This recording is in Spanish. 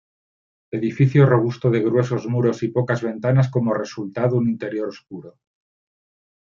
Edificio robusto de gruesos muros y pocas ventanas, como resultado un interior oscuro.